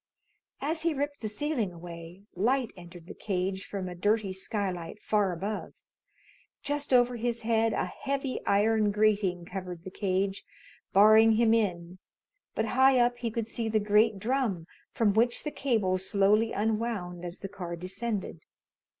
As he ripped the ceiling away, light entered the cage from a dirty skylight far above. Just over his head a heavy iron grating covered the cage, barring him in, but high up he could see the great drum, from which the cable slowly unwound as the car descended.